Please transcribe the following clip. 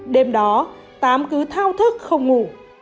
đêm đó tám cứ thao thức không ngủ